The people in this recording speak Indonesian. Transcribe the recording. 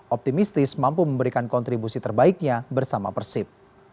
optimistis mampu memberikan kontribusi terbaiknya bersama persib